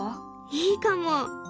いいかも。